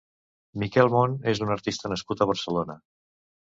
Miquel Mont és un artista nascut a Barcelona.